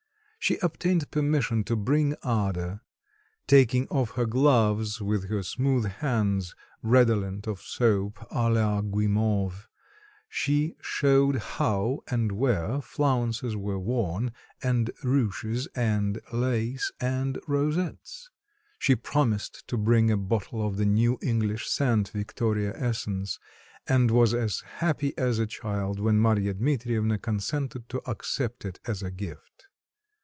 She obtained permission to bring Ada; taking off her gloves, with her smooth hands, redolent of soap à la guimauve, she showed how and where flounces were worn and ruches and lace and rosettes. She promised to bring a bottle of the new English scent, Victoria Essence; and was as happy as a child when Marya Dmitrievna consented to accept it as a gift.